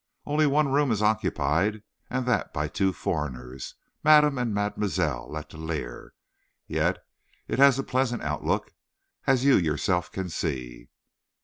Only one room is occupied, and that by two foreigners Madame and Mademoiselle Letellier. Yet it has a pleasant outlook, as you yourself can see."